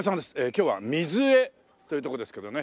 今日は瑞江という所ですけどね